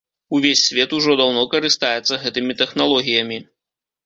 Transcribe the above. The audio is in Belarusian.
Увесь свет ужо даўно карыстаецца гэтымі тэхналогіямі.